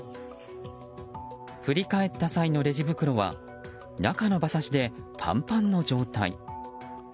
振り返った際のレジ袋は中の馬刺しでパンパンの状態。